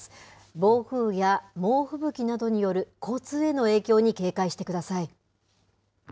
暴風や猛吹雪などによる交通への影響に警戒してください。